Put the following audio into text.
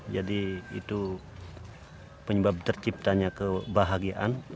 jadi itu penyebab terciptanya kebahagiaan